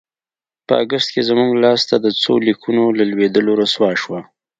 په اګست کې زموږ لاسته د څو لیکونو له لوېدلو رسوا شوه.